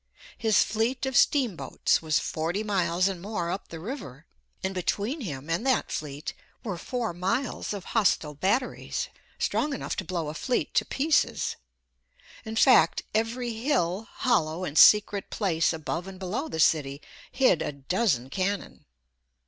His fleet of steamboats was forty miles and more up the river, and between him and that fleet were four miles of hostile batteries strong enough to blow a fleet to pieces. In fact, every hill, hollow, and secret place above and below the city hid a dozen cannon.